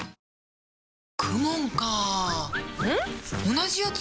同じやつ？